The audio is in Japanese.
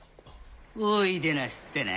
おいでなすったな。